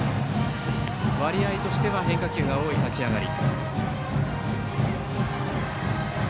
割合としては変化球の多い立ち上がり。